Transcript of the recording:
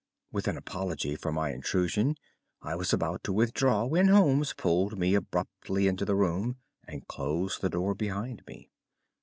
With an apology for my intrusion, I was about to withdraw when Holmes pulled me abruptly into the room and closed the door behind me.